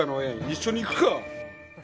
一緒に行くか。